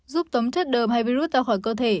giúp tấm chất đờm hay virus ra khỏi cơ thể